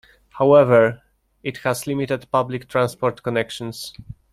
However, it has limited public transport connections.